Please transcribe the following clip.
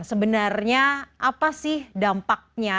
sebenarnya apa sih dampaknya